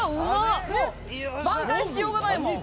挽回しようがないもん。